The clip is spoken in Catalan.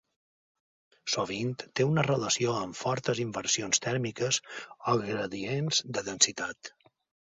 Sovint té una relació amb fortes inversions tèrmiques o gradients de densitat.